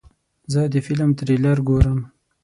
زه د فلم تریلر ګورم.